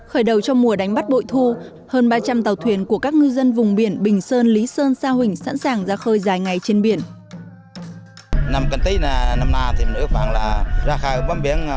khởi đầu trong mùa đánh bắt bội thu hơn ba trăm linh tàu thuyền của các ngư dân vùng biển bình sơn lý sơn sa huỳnh sẵn sàng ra khơi dài ngày trên biển